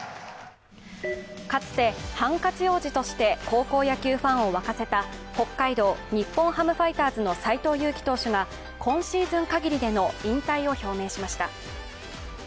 かつてハンカチ王子として高校野球ファンを沸かせた北海道日本ハムファイターズの斎藤佑樹投手が今シーズン限りでの引退を表明しました。